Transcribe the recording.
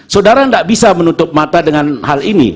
saudara tidak bisa menutup mata dengan hal ini